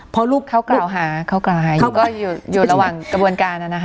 เพราะลูกเขากล่าวหาเขากล่าวหาอยู่ก็อยู่ระหว่างกระบวนการนะคะ